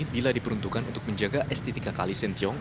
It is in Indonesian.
bila diperuntukkan untuk menjaga estetika kalisentiong